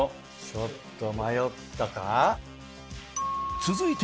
ちょっと迷ったか？